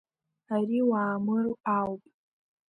Ари Уаамыр ауп.